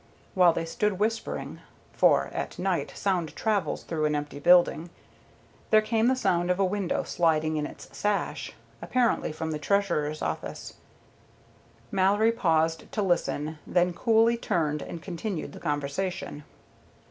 While they stood whispering, for at night sound travels through an empty building, there came the sound of a window sliding in its sash, apparently from the Treasurer's office. Mallory paused to listen, then coolly turned and continued the conversation.